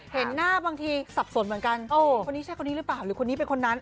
เห็นหน้าบางทีสับสนเหมือนกันคนนี้ใช่คนนี้หรือเปล่าหรือคนนี้เป็นคนนั้น